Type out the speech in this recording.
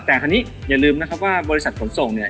แต่คราวนี้อย่าลืมนะครับว่าบริษัทขนส่งเนี่ย